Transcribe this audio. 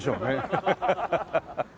アハハハ。